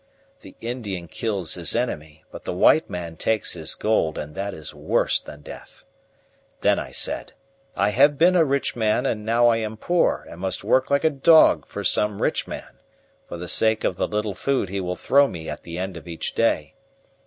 The Indian kills his enemy, but the white man takes his gold, and that is worse than death. Then I said: 'I have been a rich man and now I am poor, and must work like a dog for some rich man, for the sake of the little food he will throw me at the end of each day.